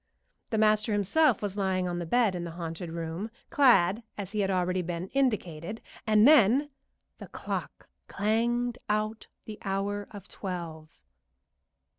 The master himself was lying on the bed in the haunted room, clad as has already been indicated, and then The clock clanged out the hour of twelve.